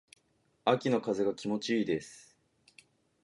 秋の風が気持ち良いです。